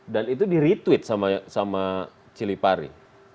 dan itu di retweet sama cili pari